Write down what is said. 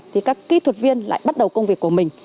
thì các kỹ thuật viên lại bắt đầu công việc của mình